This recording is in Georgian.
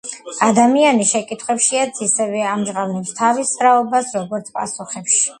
ადამიანი შეკითხვებშიაც ისევე ამჟღავნებს თავის რაობას, როგორც პასუხებში.